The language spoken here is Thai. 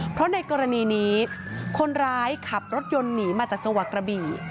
เพราะในกรณีนี้คนร้ายขับรถยนต์หนีมาจากจังหวัดกระบี่